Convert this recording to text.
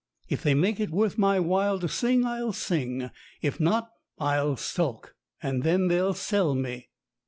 If they make it worth my while to sing I'll sing. If not, I'll sulk, and then they'll sell me."